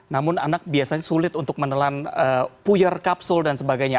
namun anak biasanya sulit untuk menelan puyer kapsul dan sebagainya